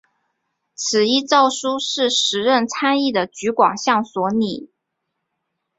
此一诏书是时任参议的橘广相所拟。